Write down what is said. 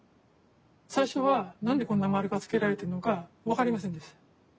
最初は何でこんな丸がつけられてるのか分かりませんでした。